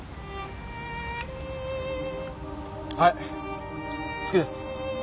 はい好きです。